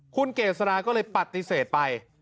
คุณเกษราก็เลยปฏิเสธไป